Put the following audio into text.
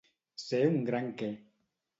Ser un gran què.